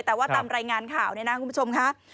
แต่ว่าตามรายงานข่าวเนี่ยนะคุณผู้ชมค่ะ